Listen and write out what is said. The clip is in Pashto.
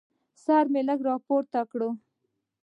سر مې لږ پورته کړ.